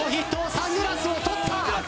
サングラスを取った！